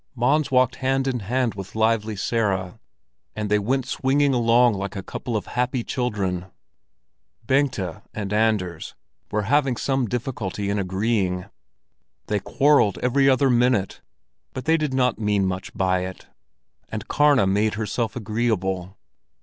Mons walked hand in hand with Lively Sara, and they went swinging along like a couple of happy children. Bengta and Anders had some difficulty in agreeing; they quarrelled every other minute, but they did not mean much by it. And Karna made herself agreeable.